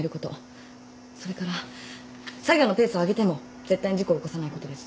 それから作業のペースを上げても絶対に事故起こさないことです。